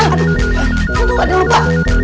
gue tuh gak ada lupa